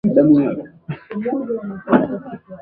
oka mkate wako wa viazi lishe kwa mota mdogo